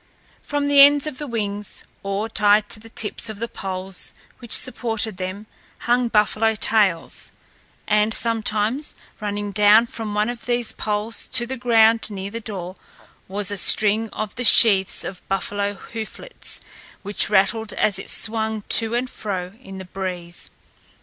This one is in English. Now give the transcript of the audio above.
From the ends of the wings, or tied to the tips of the poles which supported them, hung buffalo tails, and sometimes running down from one of these poles to the ground near the door was a string of the sheaths of buffalo hooflets, which rattled as it swung to and fro in the breeze.